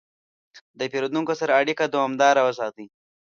د پیرودونکو سره اړیکه دوامداره وساتئ.